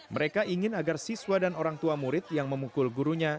mereka ingin agar siswa dan orang tua murid yang memukul gurunya